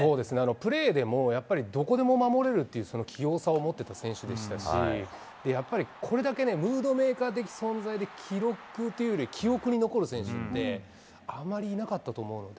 プレーでも、やっぱりどこでも守れるっていう器用さを持ってた選手でしたし、やっぱりこれだけムードメーカー的存在で記録っていうより記憶に残る選手って、あまりいなかったと思うので。